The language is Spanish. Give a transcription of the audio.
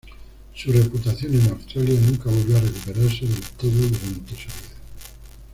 Su reputación en Australia nunca volvió a recuperarse del todo durante su vida.